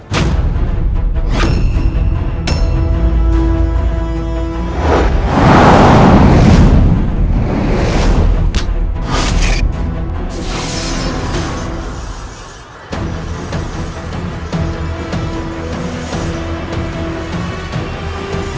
aku akan menangkapmu